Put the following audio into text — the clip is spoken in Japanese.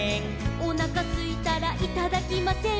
「おなかすいたらいただきません」